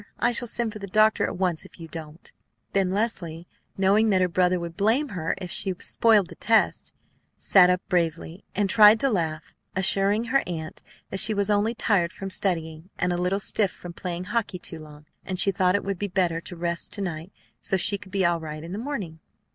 I shall send for the doctor at once if you don't." Then Leslie, knowing that her brother would blame her if she spoiled the test, sat up bravely, and tried to laugh, assuring her aunt that she was only tired from studying and a little stiff from playing hockey too long, and she thought it would be better to rest to night so she could be all right in the morning.